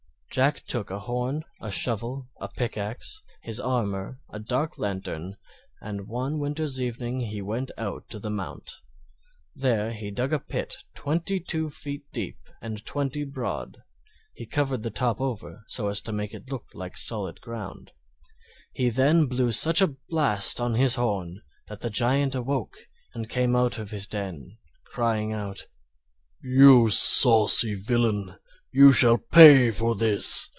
Jack took a horn, a shovel, a pickaxe, his armor, and a dark lantern, and one winter's evening he went to the mount. There he dug a pit twenty two feet deep and twenty broad. He covered the top over so as to make it look like solid ground. He then blew such a blast on his horn that the Giant awoke and came out of his den, crying out: "You saucy villain, you shall pay for this!